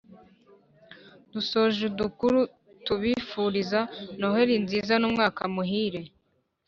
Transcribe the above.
dusoje udukuru tubifuliza noheli nziza n’umwaka muhire